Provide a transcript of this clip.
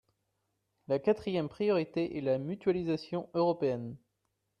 La quatrième priorité est la mutualisation européenne.